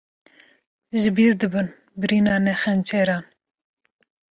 Jibîr dibin birîna xençeran